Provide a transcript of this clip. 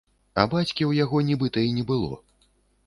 А бацькі ў яго нібыта і не было.